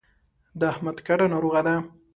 د احمد کډه ناروغه ده.